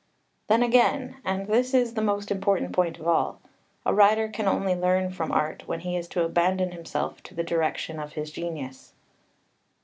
Then, again (and this is the most important point of all), a writer can only learn from art when he is to abandon himself to the direction of his genius.